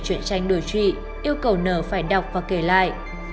yêu cầu n phải đọc và kể lại